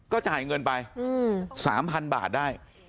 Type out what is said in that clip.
ก็จ่ายเงินไป๓๐๐๐บาทได้